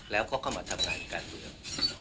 แล้วก็เข้ามาทำงานการเมือง